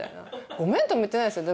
「ごめん」とも言ってないですね。